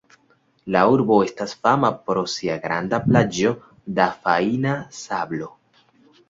La urbo estas fama pro sia granda plaĝo da fajna sablo.